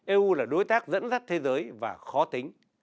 eu là đối tác dẫn dắt thế giới và khó tính